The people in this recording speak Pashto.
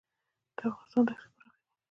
د افغانستان دښتې پراخې دي